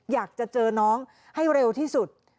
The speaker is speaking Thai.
อยากจะเจอน้องให้เร็วที่สุด